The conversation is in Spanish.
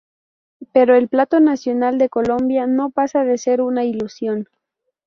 Pero el plato nacional de Colombia no pasa de ser una ilusión.